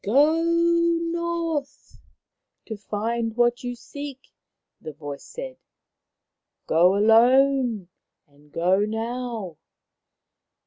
" Go north to find what you seek," the voice said. " Go alone, and go now."